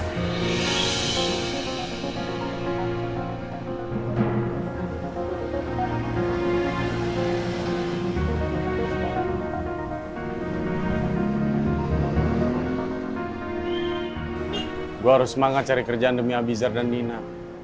saya harus semangat mencari kerjaan demi abizar dan dina